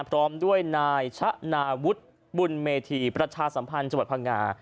พร้อมด้วยนายชะนาวุฒิบุญเมธีประชาสัมพันธ์จังหวัดพังงา